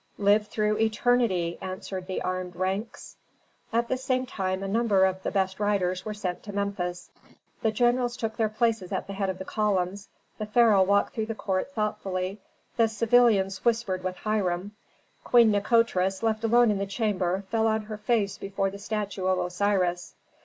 "Live through eternity!" answered the armed ranks. At the same time a number of the best riders were sent to Memphis. The generals took their places at the head of the columns, the pharaoh walked through the court thoughtfully, the civilians whispered with Hiram; Queen Nikotris, left alone in the chamber, fell on her face before the statue of Osiris.